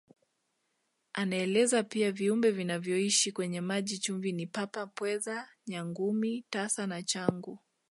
Anaeleza pia viumbe vinavyoishi kwenye maji chumvi ni Papa Pweza Nyangumi Tasi na Changu